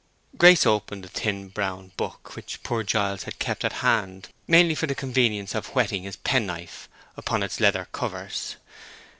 Grace opened the thin brown book, which poor Giles had kept at hand mainly for the convenience of whetting his pen knife upon its leather covers.